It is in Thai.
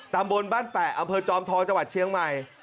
ตำบลบ้านแปะอำเภอจอมทองจังหวัดเชียงใหม่